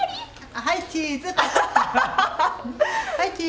はいチーズ。ＯＫ。